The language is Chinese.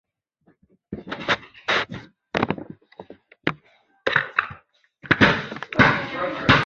主要活动区域是约旦河西岸地区。